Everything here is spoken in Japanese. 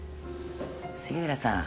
杉浦さん